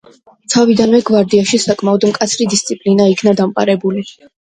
თავიდანვე გვარდიაში საკმაოდ მკაცრი დისციპლინა იქნა დამყარებული.